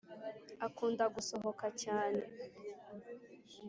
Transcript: akunda gusohoka cyane